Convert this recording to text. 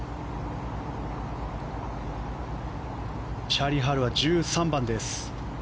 チャーリー・ハルは１３番です。